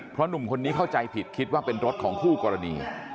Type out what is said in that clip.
เพราะหนุ่มคนนี้เข้าใจผิดคิดว่าเป็นรถของคู่กรณี